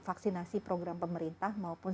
vaksinasi program pemerintah maupun